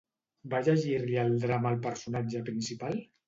Va llegir-li el drama al personatge principal?